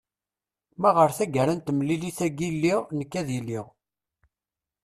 ma ɣer tagara n temlilit-agi lliɣ nekk ad iliɣ